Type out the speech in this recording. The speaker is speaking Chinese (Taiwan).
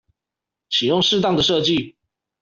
請用適當的設計